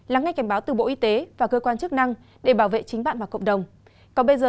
lắng ngay cảnh báo từ bộ y tế và cơ quan chức năng để bảo vệ chính bạn và cộng đồng